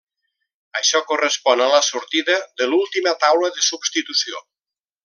Això correspon a la sortida de l'última taula de substitució.